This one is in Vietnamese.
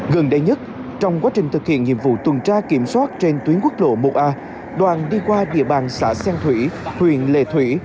gần đây nhất trong quá trình thực hiện nhiệm vụ tuần tra kiểm soát trên tuyến quốc lộ một a đoạn đi qua địa bàn xã xen thủy huyện lệ thủy